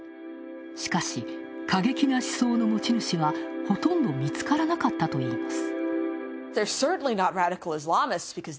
しかし、過激な思想の持ち主はほとんど見つからなかったといいます。